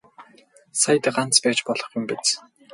Саяд ганц байж болох юм биз.